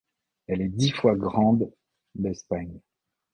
Elle est dix fois grande d'Espagne.